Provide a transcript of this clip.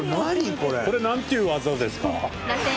これ何ていう技ですか？